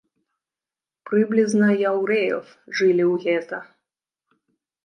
Прыблізна яўрэяў жылі ў гета.